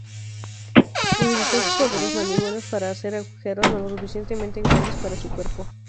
Utiliza sus poderosas mandíbulas para hacer agujeros lo suficientemente grandes para su cuerpo.